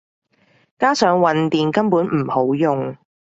加上混電根本唔好用